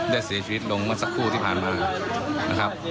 ได้เสียชีวิตลงมันสักครู่ที่ผ่านมา